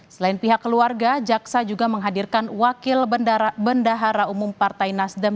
selain pihak keluarga jaksa juga menghadirkan wakil bendahara umum partai nasdem